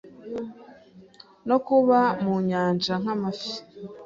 no kuba mu nyanja nk’amafi,